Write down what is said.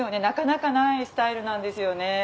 なかなかないスタイルなんですよね。